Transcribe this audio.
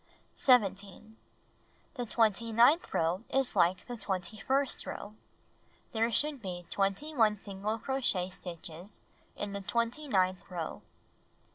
17. The twenty ninth row is like the twenty first row. There should be 21 single crochet stitches in the twenty ninth row.